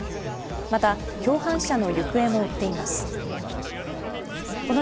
また共犯者の行方も追っています。